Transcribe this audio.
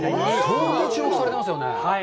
相当注目されていますよね。